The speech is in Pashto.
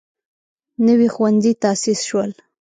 نوي ښوونځي تاسیس شول.